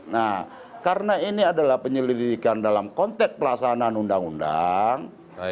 nah karena ini adalah penyelidikan dalam konteks pelaksanaan undang undang